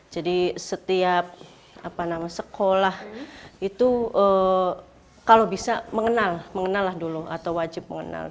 jadi setiap apa namanya sekolah itu kalau bisa mengenal mengenal lah dulu atau wajib mengenal